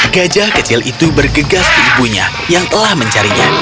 gajah kecil itu bergegas di ibunya yang telah mencarinya